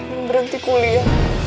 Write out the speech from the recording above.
gue mau berhenti kuliah